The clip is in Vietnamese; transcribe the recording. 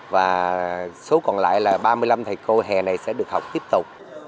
và số còn lại là ba mươi năm thầy cô hè này sẽ được học tiếp tục